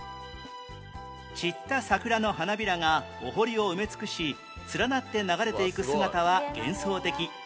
散った桜の花びらがお濠を埋め尽くし連なって流れていく姿は幻想的